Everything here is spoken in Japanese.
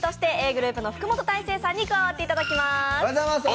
ｇｒｏｕｐの福本大晴さんに加わっていただきます。